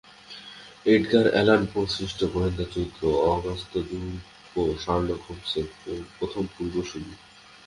Edgar Allan পো-সৃষ্ট গোয়েন্দা চরিত্র অগাস্ত দ্যুপোঁ শার্লক হোমসের প্রথম পূর্বসূরি।